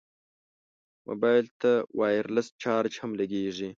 موبایل ته وایرلس چارج هم لګېږي.